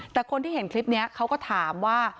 แต่คนที่เห็นคลิปนี้เขาก็ถามว่า